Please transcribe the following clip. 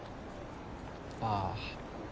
ああ